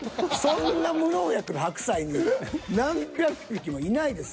そんな無農薬の白菜に何百匹もいないです。